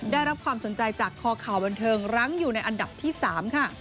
ได้รับความสนใจจากคอข่าวบันเทิงรั้งอยู่ในอันดับที่๓ค่ะ